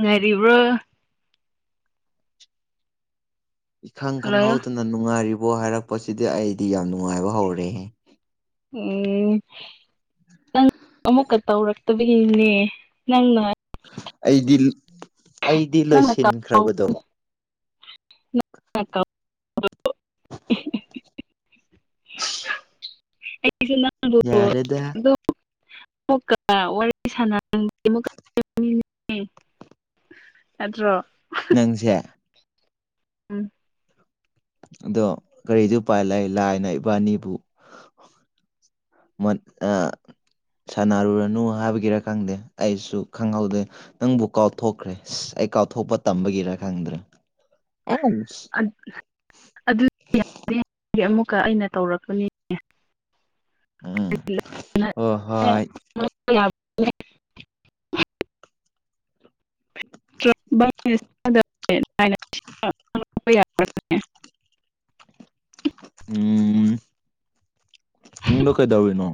ꯉꯥꯏꯔꯤꯕ꯭ꯔꯣ ꯏꯈꯪ ꯍꯜꯂꯣ ꯈꯪꯍꯧꯗꯅ ꯅꯨꯡꯉꯥꯏꯔꯤꯕꯣ ꯍꯥꯏꯔꯛꯄꯁꯤꯗꯤ ꯑꯩꯗꯤ ꯌꯥꯝ ꯅꯨꯡꯉꯥꯏꯕ ꯍꯧꯔꯦ ꯎꯝ ꯅꯪ ꯑꯃꯨꯛꯀ ꯇꯧꯔꯛꯇꯕꯒꯤꯅꯦ ꯅꯪꯅ ꯑꯩꯗꯤ ꯑꯩꯗꯤ ꯅꯪꯅ ꯀꯥꯎ ꯂꯣꯏꯁꯤꯟꯈ꯭ꯔꯕꯗꯣ [unintelligible] ꯁ [unintelligible] [unintelligible] [unintelligible] ꯑꯦꯠꯇ꯭ꯔꯣ ꯅꯪꯁꯦ ꯎꯝ ꯑꯗꯣ ꯀꯔꯤꯗꯤ ꯎꯄꯥꯏ ꯂꯩ ꯂꯥꯏꯅ ꯏꯕꯥꯅꯤꯕꯨ ꯁꯥꯟꯅꯔꯨꯔꯅꯨ ꯍꯥꯏꯕꯒꯤꯔ ꯈꯪꯗꯦ ꯑꯩꯁꯨ ꯈꯪꯍꯧꯗꯦ ꯅꯪꯕꯨ ꯀꯥꯎꯊꯣꯛꯈ꯭ꯔꯦ ꯑꯁ ꯑꯩ ꯀꯥꯎꯊꯣꯛꯄ ꯇꯝꯕꯒꯤꯔ ꯈꯪꯗ꯭ꯔꯦ ꯑꯦ ꯑꯗꯨ ꯑꯃꯨꯛꯀ ꯑꯩꯅ ꯇꯧꯔꯛꯄꯅꯤꯅꯦ ꯎꯝ ꯍꯣ ꯍꯣꯏ [unintelligible] ꯎꯝ ꯏꯗ ꯀꯩꯗꯕꯅꯣ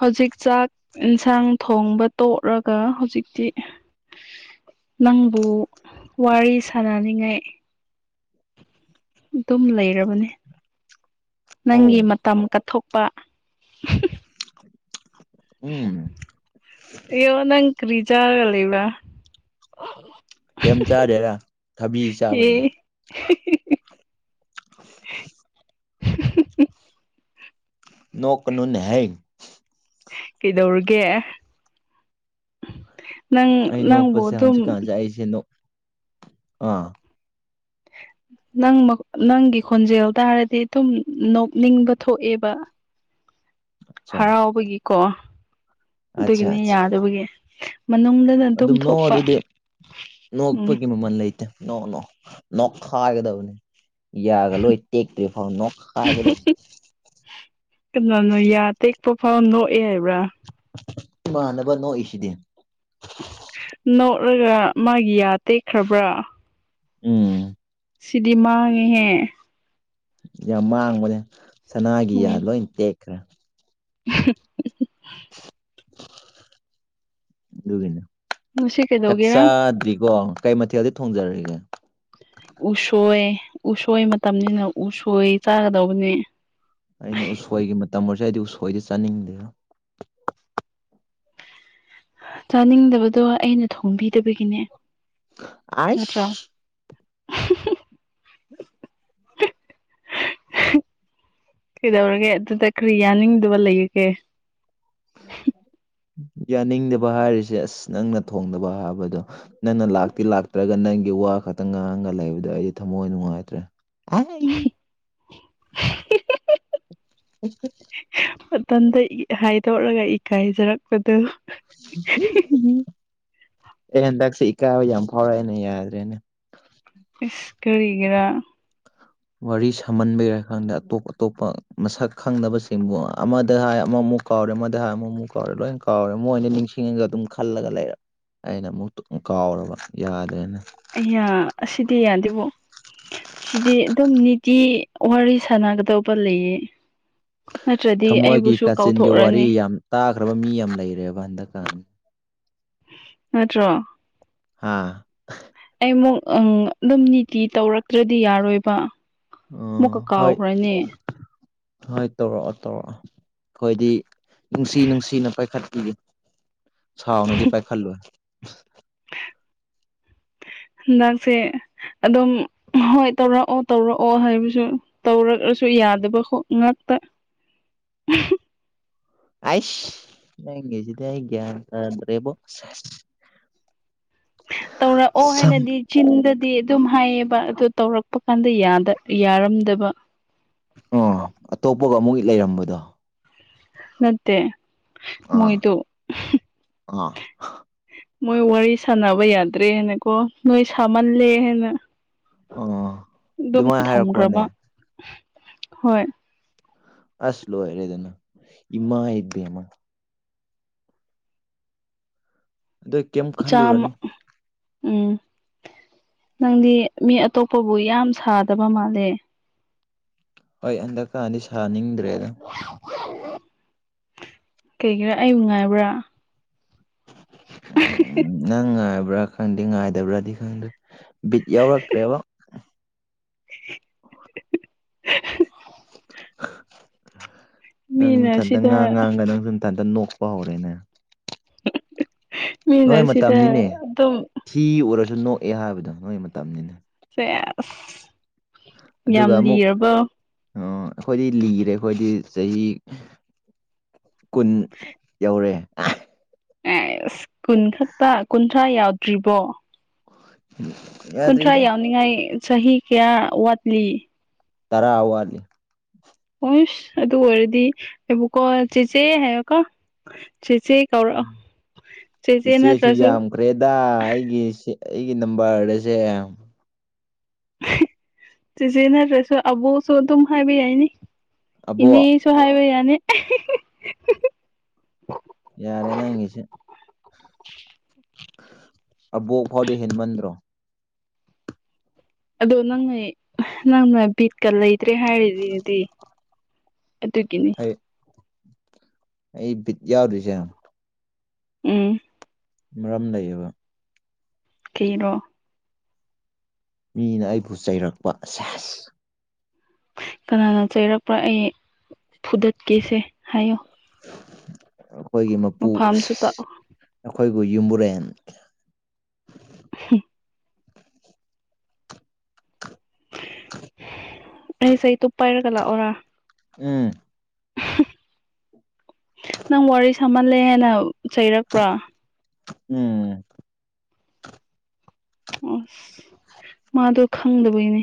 ꯍꯧꯖꯤꯛ ꯆꯥꯛ ꯌꯦꯟꯁꯥꯡ ꯊꯣꯡꯕ ꯇꯣꯛꯂꯒ ꯍꯧꯖꯤꯛꯇꯤ ꯅꯪꯕꯨ ꯋꯥꯔꯤ ꯁꯥꯟꯅꯔꯤꯉꯥꯏ ꯑꯗꯨꯝ ꯂꯩꯔꯕꯅꯤ ꯑꯧ ꯅꯪꯒꯤ ꯃꯇꯝ ꯀꯠꯊꯣꯛꯄ ꯎꯝ ꯌ ꯅꯪ ꯀꯔꯤ ꯆꯥꯔꯒ ꯂꯩꯕ꯭ꯔꯥ ꯀꯩꯝ ꯆꯥꯗꯦꯔꯥ ꯊꯕꯤ ꯆꯥꯕꯩꯅ ꯎ [unintelligible] ꯑꯟꯑꯣꯗꯤꯕꯜ ꯅꯣꯛ ꯀꯅꯨꯟꯅꯍ ꯀꯩꯗꯧꯔꯒꯦ ꯅꯪ ꯑꯩ ꯅꯪꯕꯨ ꯅꯣꯛꯄꯁꯦ ꯑꯗꯨꯝ ꯍꯧꯪꯖꯤꯤꯛꯀꯥꯟꯁꯦ ꯑꯩꯁꯦ ꯑꯥ ꯅꯪ ꯃꯛ ꯅꯪꯒꯤ ꯈꯣꯟꯖꯦꯜ ꯇꯥꯔꯗꯤ ꯊꯨꯝ ꯅꯣꯛꯅꯤꯡꯕ ꯊꯣꯛꯑꯦꯕ [inaudible] ꯑꯆꯥ ꯍꯔꯥꯎꯕꯒꯤꯀꯣ ꯑꯠꯆꯥ ꯑꯗꯨꯒꯤꯅꯤ ꯑꯠꯆꯥ ꯌꯥꯗꯕꯒꯤ ꯃꯅꯨꯡꯗ ꯑꯗꯨꯝ ꯅꯣ ꯑꯗꯨꯗꯤ ꯎꯝ ꯅꯣꯛꯄꯒꯤ ꯃꯃꯜ ꯂꯩꯇꯦ ꯅꯣ ꯅꯣ ꯅꯣꯛ ꯈꯥꯏꯒꯗꯕꯅꯤ ꯌꯥꯒ ꯂꯣꯏ ꯇꯦꯛꯇꯔꯤ ꯐꯥꯎ ꯅꯣꯛ ꯈꯥꯏꯒꯗꯕꯅꯤ ꯀꯩꯅꯣꯅꯣ ꯌꯥ ꯇꯦꯛꯄ ꯐꯥꯎ ꯅꯣꯛꯑꯦ ꯍꯥꯏꯕ꯭ꯔꯥ ꯏꯃꯥꯟꯅꯕ ꯅꯣꯛꯏꯁꯤꯗꯤ ꯅꯣꯛꯂꯒ ꯃꯥꯒꯤ ꯌꯥ ꯇꯦꯛꯈ꯭ꯔꯕ꯭ꯔꯥ ꯎꯝ ꯁꯤꯗꯤ ꯃꯥꯡꯉꯦꯍꯦ ꯌꯥꯝ ꯃꯥꯡꯕꯅꯦ ꯁꯅꯥꯒꯤꯌꯥ ꯂꯣꯏ ꯇꯦꯛꯈ꯭ꯔꯦ ꯎꯝꯍꯝ ꯗꯨꯒꯤꯅꯤ ꯉꯁꯤ ꯆꯥꯛ ꯀꯩꯗꯧꯒꯦꯔꯥ ꯆꯥꯗ꯭ꯔꯤꯕꯤ ꯀꯩ ꯃꯊꯦꯜꯗꯤ ꯊꯣꯡꯖꯔꯒꯦ ꯎꯁꯣꯏ ꯎꯁꯣꯏ ꯃꯇꯝꯅꯤꯅ ꯎꯁꯣꯏ ꯆꯥꯒꯗꯧꯕꯅꯦ ꯑꯩꯅ ꯎꯁꯣꯏꯒꯤ ꯃꯇꯝ ꯑꯣꯏꯔꯁꯨ ꯑꯩꯗꯤ ꯎꯁꯣꯏꯗꯤ ꯆꯥꯅꯤꯡꯗꯦꯔ ꯆꯥꯅꯤꯡꯗꯕꯗꯣ ꯑꯩꯅ ꯊꯣꯡꯕꯤꯗꯕꯒꯤꯅꯦ ꯅꯠꯇ꯭ꯔꯥ ꯑꯥꯏꯁ [inaudible] ꯀꯩꯗꯧꯔꯒꯦ ꯑꯗꯨꯗ ꯀꯔꯤ ꯌꯥꯅꯤꯡꯗꯕ ꯂꯩꯒꯦ [inaudible] ꯌꯥꯅꯤꯡꯗꯕ ꯍꯥꯏꯔꯤꯁꯦ ꯑꯁ ꯅꯪꯅ ꯊꯣꯡꯗꯕ ꯍꯥꯏꯕꯗꯣ ꯅꯪꯅ ꯂꯥꯛꯇꯤ ꯂꯥꯛꯇ꯭ꯔꯒ ꯅꯪꯒꯤ ꯋꯥ ꯈꯛꯇꯪ ꯉꯥꯡꯒ ꯂꯩꯕꯗꯣ ꯑꯩꯗꯤ ꯊꯃꯣꯏ ꯅꯨꯡꯉꯥꯏꯇ꯭ꯔꯦ [unintelligible] ꯑꯟꯑꯣꯗꯤꯕꯜ ꯃꯇꯝꯗ ꯍꯥꯏꯗꯣꯔꯔꯒ ꯏꯀꯥꯏꯖꯔꯛꯄꯗꯨ ꯑꯦ ꯍꯟꯗꯛꯁꯦ ꯏꯀꯥꯏꯕ ꯌꯥꯝ ꯐꯥꯎꯔꯛꯑꯦꯅ ꯌꯥꯗ꯭ꯔꯦꯅꯦ ꯏꯁ ꯀꯔꯤꯔꯤꯒꯔꯥ ꯋꯥꯔꯤ ꯁꯥꯍꯟꯕꯦ ꯍꯥꯏ ꯈꯥꯟꯗ ꯑꯇꯣꯞ ꯑꯇꯣꯞꯄ ꯃꯁꯛ ꯈꯪꯗꯕꯁꯤꯡꯕꯨ ꯑꯃꯗ ꯍꯥꯏ ꯑꯃꯃꯨꯛ ꯀꯥꯎꯔꯦ ꯃꯗ ꯍꯥꯏꯔ ꯑꯃꯨ ꯑꯃꯨꯛ ꯀꯥꯎꯔꯦ ꯂꯣꯏꯅ ꯀꯥꯎꯔꯦ ꯃꯣꯏꯅ ꯅꯤꯡꯁꯤꯡꯉꯒ ꯑꯗꯨꯝ ꯈꯜꯂꯒ ꯂꯩꯔ ꯑꯩꯅ ꯑꯃꯨꯛ ꯀꯥꯎꯔꯕ ꯌꯥꯗ꯭ꯔꯦꯅ ꯑꯩꯌꯥ ꯑꯁꯤꯗꯤ ꯌꯥꯗꯦꯕꯣ ꯁꯤꯗꯤ ꯑꯗꯨꯝ ꯅꯤꯇꯤ ꯋꯥꯔꯤ ꯁꯥꯟꯅꯒꯗꯧꯕ ꯂꯩꯌꯦ ꯅꯠꯇ꯭ꯔꯗꯤ ꯊꯃꯣꯏꯒꯤ ꯑꯩꯕꯨꯁꯨ ꯀꯥꯆꯤꯟꯒꯤ ꯋꯥꯔꯤ ꯀꯥꯎꯊꯣꯛꯔꯅꯤ ꯌꯥꯝ ꯇꯥꯈ꯭ꯔꯕ ꯃꯤ ꯌꯥꯝ ꯂꯩꯔꯦꯕ ꯍꯟꯗꯛꯀꯥꯟ ꯅꯠꯇ꯭ꯔꯣ ꯍꯥꯥ ꯑꯩꯃꯨꯛ ꯑꯗꯨꯝ ꯅꯤꯇꯤ ꯇꯧꯔꯛꯇ꯭ꯔꯗꯤ ꯌꯥꯔꯣꯏꯕ ꯑꯣ ꯃꯨꯛꯀ ꯍꯣꯏ ꯀꯥꯎꯈ꯭ꯔꯅꯦ ꯍꯣꯏ ꯇꯧꯔꯛꯑꯣ ꯇꯧꯔꯛꯑꯣ ꯑꯩꯈꯣꯏꯗꯤ ꯅꯨꯡꯁꯤ ꯅꯨꯡꯁꯤꯅ ꯄꯥꯏꯈꯠꯄꯤꯔꯤ ꯁꯥꯥꯎꯅꯗꯤ ꯄꯥꯏ ꯈꯜꯂꯣꯏ ꯍꯟꯗꯥꯛꯁꯦ ꯑꯗꯨꯝ ꯍꯣꯏ ꯇꯧꯔꯛꯑꯣ ꯇꯧꯔꯛꯑꯣ ꯍꯥꯏꯕꯁꯨ ꯇꯧꯔꯛꯑꯁꯨ ꯌꯥꯗꯕ ꯉꯥꯛꯇ ꯎꯝꯍꯝ ꯑꯥꯏꯁ ꯅꯪꯒꯤꯁꯤꯗꯤ ꯑꯩ ꯒꯌꯥꯟ ꯇꯥꯗ꯭ꯔꯦꯕꯣ ꯇꯧꯔꯛꯑꯣ ꯁꯝ ꯍꯥꯏꯅꯗꯤ ꯆꯤꯟꯗꯗꯤ ꯑꯗꯨꯝ ꯍꯥꯏꯌꯦꯕ ꯑꯗꯨ ꯇꯧꯔꯛꯄ ꯀꯥꯟꯗ ꯌꯥꯗ ꯌꯥꯔꯝꯗꯕ ꯑꯥ ꯑꯇꯣꯞꯄꯒ ꯑꯃꯨꯛꯒꯤ ꯂꯩꯔꯝꯕꯗꯣ ꯅꯠꯇꯦ ꯑꯥ ꯃꯣꯏꯗꯣ ꯑꯥ ꯃꯣꯏ ꯋꯥꯔꯤ ꯁꯥꯟꯅꯕ ꯌꯥꯗ꯭ꯔꯦ ꯍꯥꯏꯅ ꯀꯣ ꯅꯣꯏ ꯁꯥꯃꯜꯂꯦ ꯍꯥꯏꯅ ꯑ ꯑꯗꯨꯝꯅ ꯊꯝꯈ꯭ꯔꯕ ꯍꯣꯏ ꯑꯁ ꯂꯣꯢꯔꯦꯗꯅ ꯢꯃꯥꯢ ꯕꯦꯝꯃ ꯗꯨ ꯆꯥꯝꯃ ꯎꯝ ꯅꯪꯗꯤ ꯃꯤ ꯑꯇꯣꯞꯄꯕꯨ ꯌꯥꯝ ꯁꯥꯗꯕ ꯃꯥꯜꯂꯦ꯫ ꯍꯣꯏ ꯍꯟꯗꯛꯀꯥꯗꯤ ꯁꯥꯅꯤꯡꯗ꯭ꯔꯦꯗ꯫ ꯀꯩꯒꯤꯔ ꯑꯩꯕꯨ ꯉꯥꯏꯕ꯭ꯔꯥ ꯅꯪ ꯉꯥꯏꯕ꯭ꯔꯥ ꯈꯪꯗꯦ ꯉꯥꯏꯗꯕ꯭ꯔꯥꯗꯤ ꯈꯪꯗ꯭ꯔꯦ ꯕꯤꯠ ꯌꯥꯎꯔꯛꯇ꯭ꯔꯦꯕ ꯎ [inaudible] [inaudible] ꯅꯪ ꯃꯤꯅ ꯅꯊꯟꯇ ꯁꯤꯗ ꯉꯥꯡ ꯉꯥꯡꯉꯒ ꯅꯪꯁꯨ ꯅꯊꯟꯇ ꯅꯣꯛꯄ ꯍꯧꯔꯦꯅꯦ ꯃꯤꯅ ꯅꯣꯏ ꯁꯤꯗ ꯃꯇꯝꯅꯤꯅꯦ ꯑꯗꯨꯝ꯫ ꯊꯤ ꯎꯔꯁꯨ ꯅꯣꯛꯑꯦ ꯍꯥꯏꯕꯗꯣ ꯅꯣꯏ ꯃꯇꯝꯅꯤꯅꯦ ꯁꯦꯁ꯫ ꯑꯗꯨꯒ ꯌꯥꯝ ꯑꯃꯨꯛ ꯂꯤꯔꯕꯣ ꯑꯈꯣꯏꯗꯤ ꯂꯤꯔꯦ ꯑꯈꯣꯏꯗꯤ ꯆꯍꯤ꯫ ꯀꯨꯟ ꯌꯧꯔ‌ꯦ꯫ ꯑꯦꯁ ꯀꯨꯟ ꯈꯛꯇ ꯀꯨꯟꯊ꯭ꯔꯥ ꯌꯥꯎꯗ꯭ꯔꯤꯕꯣ꯫ [unintelligible] ꯀꯨꯟꯊ꯭ꯔꯥ ꯌꯥꯎꯅꯤꯡꯉꯥꯏ ꯆꯍꯤ ꯀꯌꯥ ꯋꯥꯠꯂꯤ꯫ ꯇꯔꯥ ꯋꯥꯠꯂꯤ ꯑꯣꯁ ꯑꯗꯨ ꯑꯣꯏꯔꯗꯤ ꯑꯩꯕꯨꯀꯣ ꯆꯦꯆꯦ ꯍꯥꯏꯌꯣꯀꯣ ꯆꯦꯆꯦ꯫ ꯇꯧꯔꯛꯑꯣ ꯆꯦꯆꯦ ꯅꯠꯇ꯭ꯔꯁꯨ꯫ ꯔꯦꯗꯥ ꯑꯩꯒꯤꯁꯦ ꯑꯩꯒꯤ ꯅꯝꯕꯔ ꯑꯁꯦ꯫ ꯆꯦꯆꯦ ꯅꯠꯇ꯭ꯔꯁꯨ ꯑꯕꫭꯛꯁꯨ ꯑꯗꯨꯝ ꯍꯥꯏꯕ ꯌꯥꯏꯅꯤ ꯏꯅꯦ ꯑꯕꯣꯛ ꯁꯨ ꯍꯥꯏꯕ ꯌꯥꯅꯤ ꯑꯍꯤ ꯍꯤ ꯍꯤ ꯌꯥꯔꯦ ꯅꯪꯒꯤꯁꯦ ꯑꯕꯣꯛ ꯐꯥꯎꯗꯤ ꯍꯦꯟꯃꯟꯗ꯭ꯔꯣ ꯑꯗꯣ ꯅꯪꯅ ꯅꯪꯅ ꯕꯤꯠꯀ ꯂꯩꯇ꯭ꯔꯦ ꯍꯥꯏꯔꯤꯗꯨꯗꯤ꯫ ꯑꯗꯨꯒꯤꯅꯤ꯫ ꯑꯩ ꯑꯩ ꯕꯤꯠ ꯌꯥꯎꯗ꯭ꯔꯤꯁꯦ꯫ ꯎꯝ ꯃꯔꯝ ꯂꯩꯌꯦꯕ ꯀꯩꯒꯤꯔꯣ ꯃꯤꯅ ꯑꯩꯕꯨ ꯆꯩꯔꯛꯄ ꯁꯦꯁ꯫ ꯀꯅꯥꯅ ꯆꯩꯔꯛꯄ꯭ꯔꯥ ꯑꯩ ꯐꯨꯗꯠꯀꯦꯁꯦ ꯍꯥꯏꯌꯣ꯫ ꯑꯩꯈꯣꯏꯒꯤ ꯃꯄꯨ ꯃꯐꯝꯁꯨ ꯇꯥꯛꯑꯣ ꯑꯩꯈꯣꯏꯕꯨ ꯌꯨꯝꯕꯨꯔꯦꯟ ꯍꯤ ꯑꯩ ꯆꯩꯇꯨꯞ ꯄꯥꯏꯔꯒ ꯂꯥꯛꯑꯣꯔꯥ ꯎꯝ ꯅꯪ ꯋꯥꯔꯤ ꯁꯥꯃꯜꯂꯦꯅ ꯍꯥꯏꯅ ꯆꯩꯔꯛꯄ꯭ꯔꯣ꯫ ꯎꯝ ꯑꯁ ꯃꯥꯗꯣ ꯈꯪꯗꯕꯒꯤꯅꯦ꯫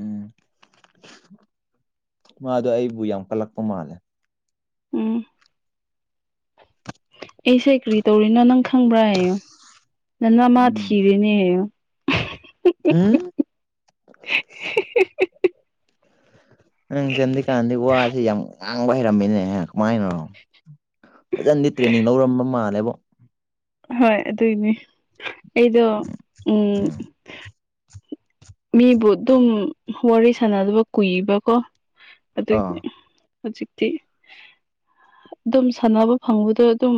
ꯎꯝ ꯃꯥꯗꯣ ꯑꯩꯕꯨ ꯌꯥꯝ ꯀꯜꯂꯛꯄ ꯃꯥꯜꯂꯦ꯫ ꯎꯝ꯫ ꯑꯩꯁꯦ ꯀ꯭ꯔꯤ ꯇꯧꯔꯤꯅꫭ ꯅꯪ ꯈꯪꯕ꯭ꯔꯥ ꯍꯥꯢꯌꯨ ꯅꯅꯥꯝꯃꯥ ꯊꯤ ꯎꯝ ꯊꯤꯕꯅꯦ ꯍꯥꯢꯌꯨ ꯎꯝ꯫ ꯍꯤ ꯍꯤ ꯍꯤ ꯅꯪꯖꯦ ꯍꯟꯗꯛꯀꯥꯟꯗꯤ ꯋꯥꯁꯤ ꯌꯥꯝ ꯉꯥꯡꯕ ꯍꯩꯔꯝꯃꯦꯅꯦꯍꯦ ꯀꯃꯥꯏꯅꯔꯣ ꯐꯖꯟꯗꯤ ꯇ꯭ꯔꯦꯅꯤꯡ ꯂꯧꯔꯝꯕ ꯃꯥꯜꯂꯦꯕꯣ꯫ ꯍꯣꯏ ꯑꯗꯨꯏꯅꯦ ꯑꯩꯗꯣ ꯎꯝ ꯃꯤꯕꯨ ꯑꯗꯨꯝ ꯋꯥꯔꯤ ꯁꯥꯟꯅꯗꯕ ꯀꯨꯏꯕꯀꯣ ꯑꯗꯨꯒꯤ ꯑꯥ ꯍꯧꯖꯤꯛꯇꯤ ꯑꯗꯨꯝ ꯁꯥꯟꯅꯕ ꯐꯪꯕꯗꯣ ꯑꯗꯨꯝ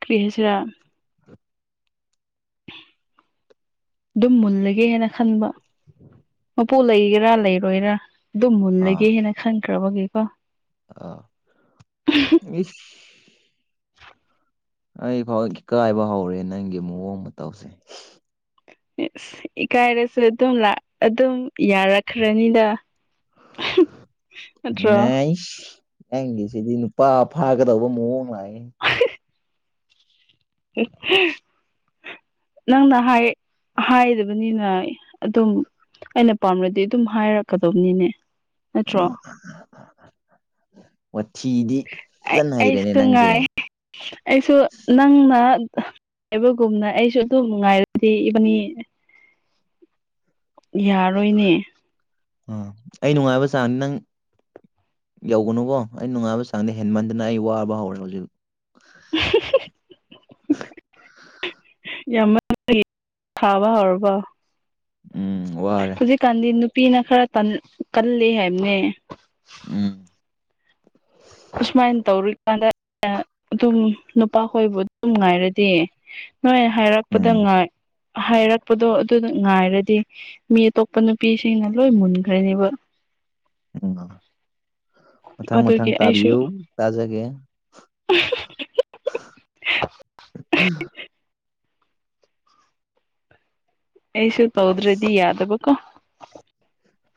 ꯀꯔꯤ ꯍꯥꯏꯁꯤꯔ ꯑꯗꯨꯝ ꯃꯨꯜꯂꯒꯦꯅ ꯈꯟꯕ [inaudible] ꯄꯨ ꯂꯩꯒꯦꯔ ꯂꯩꯔꯣꯏꯔ ꯑꯗꯨ ꯃꯨꯜꯂꯒꯦ ꯑꯥ ꯍꯥꯏꯅ ꯈꯟꯈ꯭ꯔꯕꯒꯤꯀꯣ [unintelligible] [inaudible] ꯑꯩ ꯐꯥꯎ ꯏꯀꯥꯏꯕ ꯍꯧꯔꯦ ꯅꯪꯒꯤ ꯃꯑꯣꯡ ꯃꯇꯧꯁꯤ ꯏꯁ ꯏꯀꯥꯏꯔꯁꯨ ꯑꯗꯨꯝ ꯂꯥꯛ ꯑꯗꯨꯝ ꯌꯥꯔꯛꯈ꯭ꯔꯅꯤꯗ ꯅꯠꯇ꯭ꯔꯣ ꯑꯩꯢꯁ ꯅꯪꯒꯤꯁꯤꯗꯤ ꯅꯨꯄꯥ ꯐꯥꯒꯗꯧꯕ ꯃꯑꯣꯡ ꯃꯥꯜꯂꯤ꯫ ꯍꯤ ꯍꯤ ꯅꯪꯅ ꯍꯥꯏ ꯍꯥꯏꯗꯕꯅꯤꯅ ꯑꯗꯨꯝ꯫ ꯑꯩꯅ ꯄꯥꯝꯔꯗꯤ ꯑꯗꯨꯝ ꯍꯥꯏꯔꯛꯀꯗꯧꯕꯅꯤꯅꯦ꯫ ꯋꯥꯊꯤꯗꯤ ꯑꯩ ꯐꯖꯅ ꯍꯩꯔꯦꯅꯦ ꯑꯩꯁꯨ ꯅꯪꯖꯦ ꯉꯥꯏ ꯑꯩꯁꯨ ꯅꯪꯅ꯫ ꯉꯥꯢꯕꯒꯨꯝꯅ ꯑꯩꯁꯨ ꯑꯗꯨꯝ ꯅꯨꯡꯉꯥꯏꯔꯗꯤ ꯏꯕꯥꯅꯤ ꯌꯥꯔꯣꯏꯅꯦ ꯑꯥ ꯑꯩ ꯅꯨꯡꯉꯥꯏꯕ ꯆꯥꯡ ꯅꯪ ꯌꯧꯒꯅꯨꯀꯣ ꯑꯩ ꯅꯨꯡꯉꯥꯏꯕ ꯆꯥꯡꯗ ꯍꯦꯟꯃꯟꯗꯅ ꯑꯩ ꯋꯥꯕ ꯍꯧꯔꯦ ꯍꯧꯖꯤꯛ [unintelligible] [unintelligible] ꯍꯧꯔꯕꫭ ꯎꯝ ꯋꯥꯔꯦ ꯀꯥꯟꯗꯤ ꯅꯨꯄꯤꯅ ꯈꯔ ꯇꯟ ꯀꯜꯂꯤ ꯍꯥꯏꯕꯅꯦ ꯎꯝ ꯑꯁꯨꯃꯥꯏꯅ ꯇꯧꯔꯨꯏꯀꯥꯟꯗ ꯑꯗꯨꯝ ꯅꯨꯄꯥꯍꯣꯏꯕꯨ ꯑꯗꯨꯝ ꯉꯥꯏꯔꯗꯤ ꯅꯣꯏ ꯍꯥꯏꯔꯛꯄꯗ ꯎꯝ ꯉꯥꯏ ꯍꯥꯏꯔꯛꯄꯗꯣ ꯑꯗꯨꯗ ꯉꯥꯏꯔꯗꯤ ꯃꯤ ꯑꯇꯣꯞꯄ ꯅꯨꯄꯤꯁꯤꯡꯅ ꯂꯣꯏ ꯃꯨꯟꯈ꯭ꯔꯅꯦꯕ ꯎꯝ ꯃꯊꯪ ꯃꯊꯪ ꯑꯗꯨꯒꯤ ꯑꯩꯁꯨ ꯇꯥꯕꯤꯌꯨ ꯇꯥꯖꯒꯦ ꯑꯩꯁꯨ ꯇꯧꯗ꯭ꯔꯥꯗꯤ ꯌꯥꯗꯕꯀꯣ꯫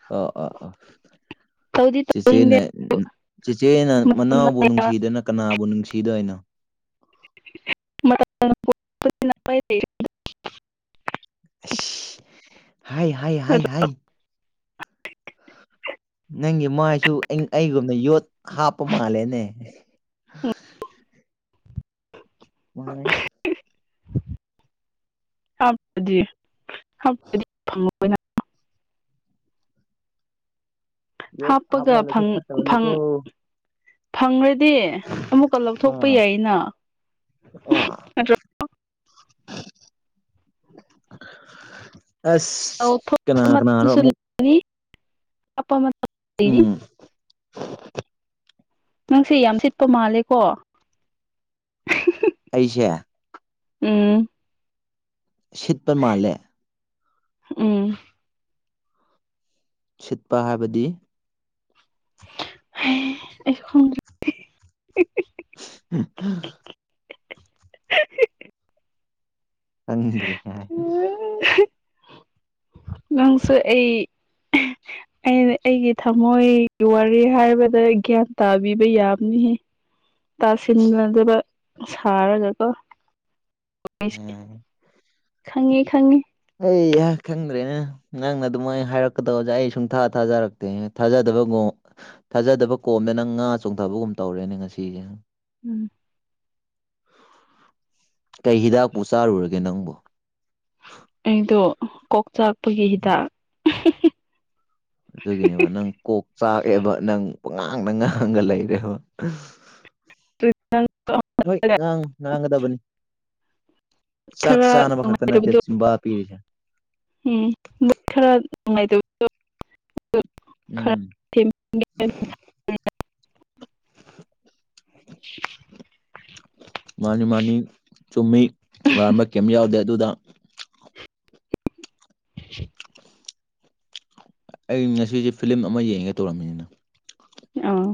ꯑ ꯑ ꯑ ꯇꯧꯗꯤ ꯇꯧꯅꯤꯡꯗꯦ ꯆꯦꯆꯦꯅ ꯆꯦꯆꯦꯅ ꯃꯅꯥꯎꯕꯨ ꯅꯨꯡꯁꯤꯗꯅ ꯀꯅꯥꯕꯨ ꯅꯨꯡꯁꯤꯗꯣꯏꯅꯣ [unintelligible] ꯑꯁ ꯍꯥꯢ ꯍꯥꯏ ꯍꯥꯏ ꯍꯥꯏ ꯅꯪꯒꯤ ꯃꯥꯏꯁꯨ ꯑꯩꯒꯨꯝꯅ ꯌꯣꯠ ꯍꯥꯞꯄ ꯃꯥꯜꯂꯦꯅꯦ꯫ [unintelligible] [unintelligible] ꯌꯣꯠ ꯍꯥꯞꯄꯒ ꯍꯥꯞꯃꯜꯂꯁꯨ ꯐꯪ ꯐꯪ ꯐꯠꯇꯕꯅꯤꯀꯣ ꯐꯪꯔꯗꯤ ꯑꯃꯨꯛꯀ ꯂꯧꯊꯣꯛꯄ ꯑꯥ ꯌꯥꯏꯌꯦꯅ [unintelligible] ꯑꯁ ꯀꯅꯥ ꯀꯅꯥꯅꯣ ꯑꯃꯨꯛ [unintelligible] ꯎꯝ [unintelligible] ꯅꯪꯁꯦ ꯌꯥꯝ ꯁꯤꯠꯄ ꯃꯥꯜꯂꯦꯀꯣ [unintelligible] ꯑꯩꯁꯦ ꯎꯝ ꯁꯤꯠꯄ ꯃꯥꯜꯂꯦ꯫ ꯎꯝ ꯁꯤꯠꯄ ꯍꯥꯏꯕꯗꯤ [unintelligible] [unintelligible] ꯊꯪꯔꯤ ꯎꯝ ꯅꯪꯁꯨ ꯑꯩ ꯑꯩꯅ ꯑꯩꯒꯤ ꯊꯃꯣꯏꯒꯤ ꯋꯥꯔꯤ ꯍꯥꯏꯕꯗ ꯒ꯭ꯌꯥꯟ ꯇꯥꯕꯤꯕ ꯌꯥꯕꯅꯤꯍ ꯇꯥꯁꯤꯟꯅꯗꯕ ꯁꯥꯔꯒꯀꯣ ꯈꯪꯉꯤ ꯈꯪꯉꯤ ꯑ ꯌꯥ ꯈꯪꯗ꯭ꯔꯦꯅ ꯅꯪꯅ ꯑꯗꯨꯝꯥꯏ ꯍꯥꯏꯔꯛꯀꯗꯧꯁꯦ ꯑꯩ ꯁꯨꯡꯊꯥ ꯊꯥꯖꯔꯛꯇꯦ ꯊꯥꯖꯗꯕꯒꯨꯝ ꯊꯥꯖꯗꯕ ꯀꯣꯝꯗ ꯅꯪ ꯉꯥ ꯆꯣꯡꯊꯕꯒꯨꯝ ꯇꯧꯔꯦꯅꯦ ꯉꯁꯤꯁꯦ ꯎꯝ ꯀꯩ ꯍꯤꯗꯥꯛꯄꯨ ꯆꯥꯔꯨꯔꯒꯦ ꯅꯪꯕꯨ ꯑꯩꯗꯣ ꯀꯣꯛꯆꯥꯛꯄꯒꯤ ꯍꯤꯗꯥꯛ ꯑꯗꯨꯒꯤꯅꯦꯕ ꯅꯪ ꯀꯣꯛ ꯆꯥꯛꯑꯦꯕ ꯅꯪ ꯄꯨꯡꯉꯥꯡꯗ ꯉꯥꯡꯉꯒ ꯂꯩꯔꯦꯕ ꯍꯣꯏ ꯉꯥꯡꯉꯨ ꯉꯥꯡꯒꯗꯕꯅꯤ ꯆꯥꯛ ꯈꯔ ꯆꯥꯅꯕ ꯈꯛꯇ ꯅꯠꯇꯦ ꯅꯨꯡꯉꯥꯏꯇꯕꯗꯣ ꯆꯕꯥ ꯄꯤꯔꯤꯁꯦ ꯎꯝ ꯃꯣꯏ ꯈꯔ ꯅꯨꯡꯉꯥꯏꯇꯕꯗꯣ ꯎꯝ ꯊ [unintelligible] ꯃꯥꯅꯤ ꯃꯥꯅꯤ ꯆꯨꯝꯃꯤ ꯂꯥꯟꯕ ꯀꯦꯝ ꯌꯥꯎꯗꯦ ꯑꯗꯨꯗ [unintelligible] ꯑꯩ ꯉꯁꯤꯁꯦ ꯐꯤꯂꯝ ꯑꯃ ꯌꯦꯡꯉꯦ ꯇꯧꯔꯝꯃꯤꯅꯤꯅ ꯑꯥ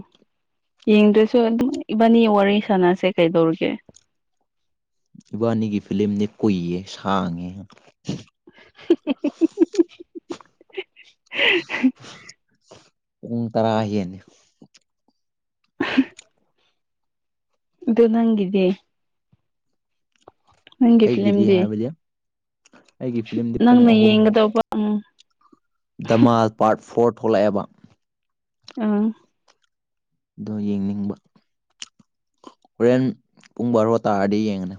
ꯌꯦꯡꯗ꯭ꯔꯁꯨ ꯑꯗꯨꯝ ꯏꯕꯥꯅꯤ ꯋꯥꯔꯤ ꯁꯥꯟꯅꯁꯦ ꯀꯩꯗꯧꯔꯤꯒꯦ ꯏꯕꯥꯅꯤꯒꯤ ꯐꯤꯂꯝꯂꯝꯅꯦ ꯀꯨꯏꯌꯦ ꯁꯥꯡꯉꯦ [unintelligible] ꯎ ꯇꯔꯥ ꯑꯅꯤ ꯑꯗꯨ ꯅꯪꯗꯤ ꯅꯪꯒꯤ ꯑꯩꯒꯤꯗꯤ ꯐꯤꯂꯝꯗꯤ ꯍꯥꯏꯕꯗꯤ ꯑꯩꯒꯤ ꯐꯤꯂꯝꯗꯤ ꯄꯨꯡ ꯅꯪꯅ ꯑꯍꯨꯝ ꯌꯦꯡꯒꯗꯧꯕ ꯎꯝ ꯗꯃꯥꯜ ꯄꯥꯔꯠ ꯐꯣꯔ ꯊꯣꯛꯂꯛꯑꯦꯕ ꯑꯥ ꯑꯗꯣ ꯌꯦꯡꯅꯤꯡꯕ ꯍꯣꯔꯦꯟ ꯄꯨꯡ ꯕꯥꯔꯣ ꯇꯥꯔꯗꯤ ꯌꯦꯡꯉꯅꯤ